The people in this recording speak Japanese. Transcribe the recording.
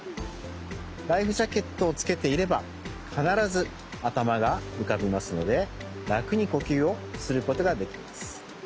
ライフジャケットをつけていればかならずあたまがうかびますのでらくにこきゅうをすることができます。